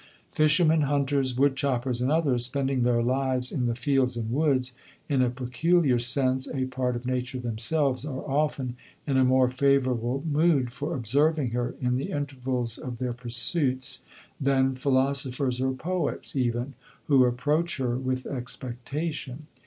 Fishermen, hunters, wood choppers, and others, spending their lives in the fields and woods, in a peculiar sense a part of Nature themselves, are often in a more favorable mood for observing her, in the intervals of their pursuits, than philosophers or poets, even, who approach her with expectation.